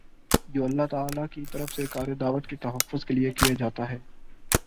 جو اللہ تعالیٰ کی طرف سے کارِ دعوت کے تحفظ کے لیے کیا جاتا ہے